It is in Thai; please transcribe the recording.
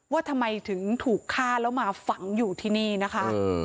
ว่าทำไมถึงถูกฆ่าแล้วมาฝังอยู่ที่นี่นะคะ